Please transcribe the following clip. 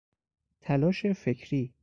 تلاش فکری